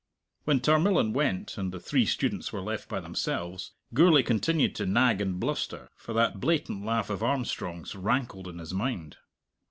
When Tarmillan went, and the three students were left by themselves, Gourlay continued to nag and bluster, for that blatant laugh of Armstrong's rankled in his mind.